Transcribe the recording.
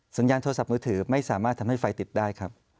สัญญาณโทรศัพท์มือถือไม่สามารถทำให้ไฟติดได้ครับ